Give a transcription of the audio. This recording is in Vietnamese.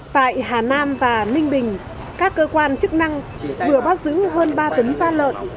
tại hà nam và ninh bình các cơ quan chức năng vừa bắt giữ hơn ba tấn gia lợn